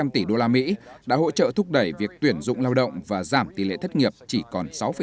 tỷ đô la mỹ đã hỗ trợ thúc đẩy việc tuyển dụng lao động và giảm tỷ lệ thất nghiệp chỉ còn sáu chín